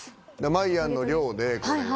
まいやんの寮でこれが。